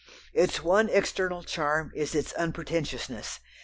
Its one external charm is its unpretentiousness.